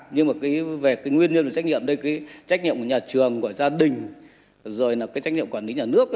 nhưng về nguyên nhân trách nhiệm trách nhiệm của nhà trường của gia đình trách nhiệm của quản lý nhà nước